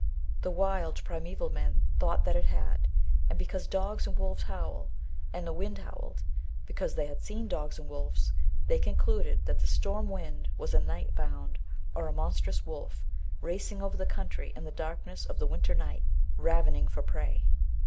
The wild primaeval men thought that it had, and because dogs and wolves howl, and the wind howled, and because they had seen dogs and wolves, they concluded that the storm wind was a night hound, or a monstrous wolf, racing over the country in the darkness of the winter night, ravening for prey.